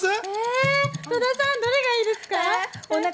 戸田さん、どれがいいですか？